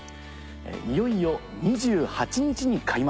いよいよ２８日に開幕。